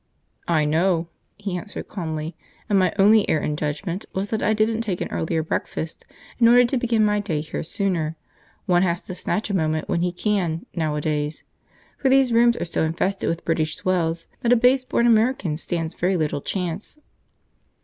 "I know," he answered calmly, "and my only error in judgment was that I didn't take an earlier breakfast, in order to begin my day here sooner. One has to snatch a moment when he can, nowadays; for these rooms are so infested with British swells that a base born American stands very little chance!"